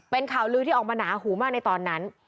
เป็นข่าวลือที่ออกมาหนาหูมากในตอนนั้น